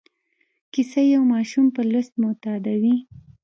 کیسه یو ماشوم په لوست معتادوي.